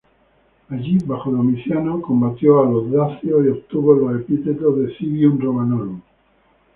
Allí, bajo Domiciano, combatió a los dacios y obtuvo los epítetos de "civium romanorum".